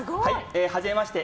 はじめまして。